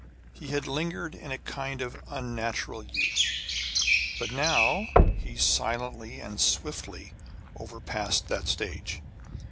He had lingered in a kind of unnatural youth, but now he silently and swiftly overpassed that stage.